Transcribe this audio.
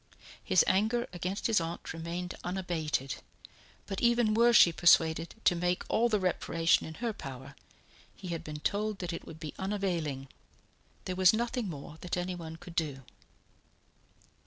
His anger against his aunt remained unabated; but even were she persuaded to make all the reparation in her power, he had been told that it would be unavailing; there was nothing more that anyone could do.